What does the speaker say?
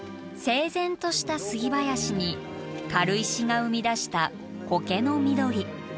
整然とした杉林に軽石が生み出したコケの緑。